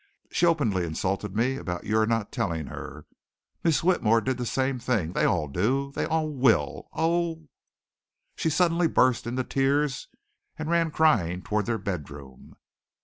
She openly insulted me about your not telling her. Miss Whitmore did the same thing they all do! They all will! Oh!!" She suddenly burst into tears and ran crying toward their bedroom.